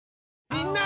みんな！